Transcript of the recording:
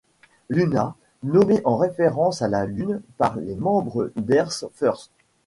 Luna, nommé en référence à la Lune par les membres d'Earth First!